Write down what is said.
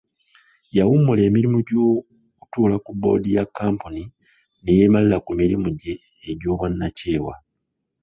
Yawummula emirimu gy'okutuula ku bboodi ya kkampuni ne yeemalira ku mirimu gye egy'obwannakyewa.